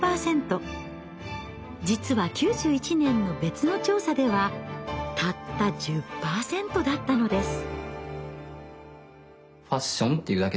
実は９１年の別の調査ではたった１０％だったのです。